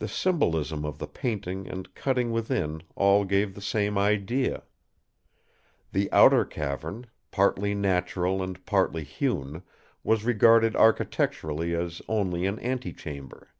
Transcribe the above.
The symbolism of the painting and cutting within all gave the same idea. The outer cavern, partly natural and partly hewn, was regarded architecturally as only an ante chamber.